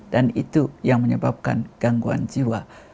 dan itu yang menyebabkan gangguan jiwa